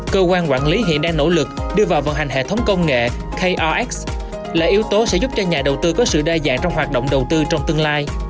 cơ quan quản lý hiện đang nỗ lực đưa vào vận hành hệ thống công nghệ krx là yếu tố sẽ giúp cho nhà đầu tư có sự đa dạng trong hoạt động đầu tư trong tương lai